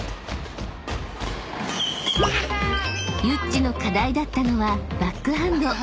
［ユッチの課題だったのはバックハンド］